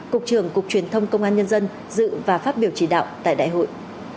cục trưởng cục truyền thông công an nhân dân dự và phát biểu chỉ đạo tại đại hội